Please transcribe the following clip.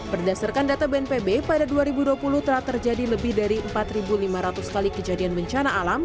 berdasarkan data bnpb pada dua ribu dua puluh telah terjadi lebih dari empat lima ratus kali kejadian bencana alam